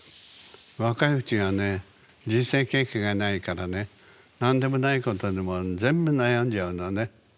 若いうちはね人生経験がないからね何でもないことでも全部悩んじゃうのね。